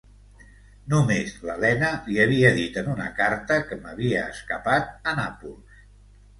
Només l'Elena li havia dit en una carta que m'havia escapat a Nàpols.